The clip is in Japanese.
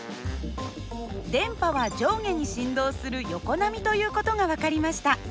電波は上下に振動する横波という事が分かりました。